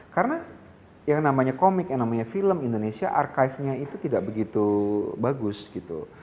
karena yang namanya komik yang namanya film indonesia archivenya itu tidak begitu bagus gitu